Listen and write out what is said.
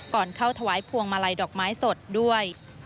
ก่อนเข้าถวายพวงมาลัยดอกไม้สดด้วย